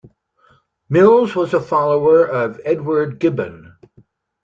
Mills was a follower of Edward Gibbon.